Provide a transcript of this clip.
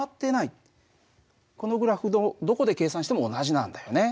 このグラフのどこで計算しても同じなんだよね。